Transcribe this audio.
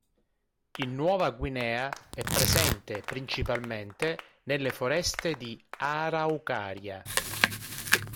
In Nuova Guinea, è presente principalmente nelle foreste di "Araucaria".